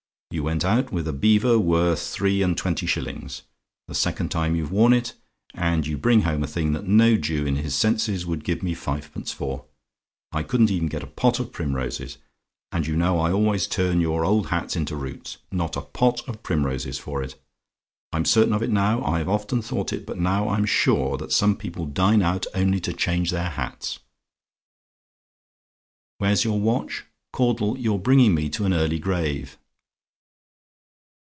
You went out with a beaver worth three and twenty shillings the second time you've worn it and you bring home a thing that no Jew in his senses would give me fivepence for. I couldn't even get a pot of primroses and you know I always turn your old hats into roots not a pot of primroses for it. I'm certain of it now I've often thought it but now I'm sure that some people dine out only to change their hats. "WHERE'S YOUR WATCH? "Caudle, you're bringing me to an early grave!"